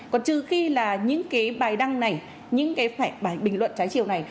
còn trừ khi là những cái bài đăng này những cái bài bình luận trái chiều này